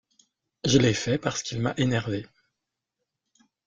Je l’ai fait parce qu’il m’a énervé.